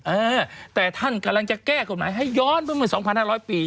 เออแต่ท่านกำลังจะแก้กฎหมายให้ย้อนไปเมื่อ๒๕๐๐ปี